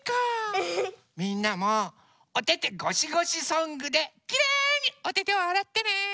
みんなも「おててごしごしソング」できれいにおててをあらってね！